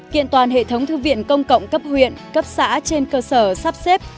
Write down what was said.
kiện toàn hệ thống thư viện công cộng cấp huyện cấp xã trên cơ sở sắp xếp